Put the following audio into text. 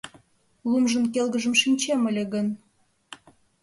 Лумжын келгыжым шинчем ыле гын